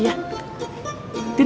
pernah beli kulkas